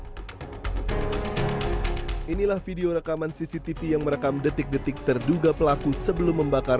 hai inilah video rekaman cctv yang merekam detik detik terduga pelaku sebelum membakar